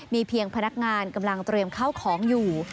มีเพียงพนักงานกำลังเตรียมข้าวของอยู่